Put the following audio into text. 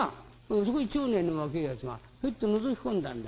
そこへ町内の若えやつがひょいとのぞき込んだんだ。